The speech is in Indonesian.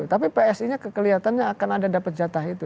tapi psi nya kelihatannya akan ada dapat jatah itu